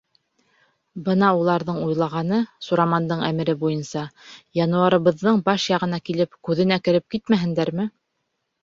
Бына уларҙың уйлағаны, Сурамандың әмере буйынса, януарыбыҙҙың баш яғына килеп, күҙенә кереп китмәһендәрме!